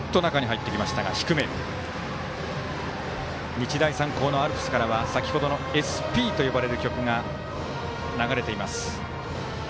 日大三高のアルプスからは先ほどの「ＳＰ」と呼ばれる曲が流れています。